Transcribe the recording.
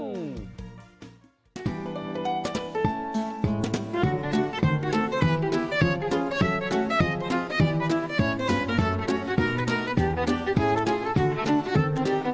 แถมเป็นคนที่ดังมากในติ๊กต๊อกด้วย